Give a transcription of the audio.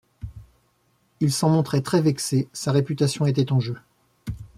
Il s’en montrait très vexé, sa réputation était en jeu.